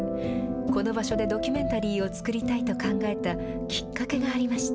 この場所でドキュメンタリーを作りたいと考えたきっかけがありました。